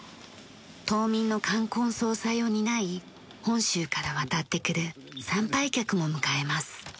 島民の冠婚葬祭を担い本州から渡ってくる参拝客も迎えます。